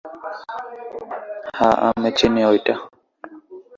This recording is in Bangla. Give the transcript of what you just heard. তাই ভাষাপরিবারের সদস্য থাই ভাষা থাইল্যান্ডে এবং লাও ভাষা লাওসে প্রচলিত।